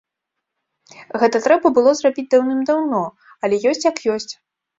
Гэта трэба было зрабіць даўным-даўно, але ёсць як ёсць.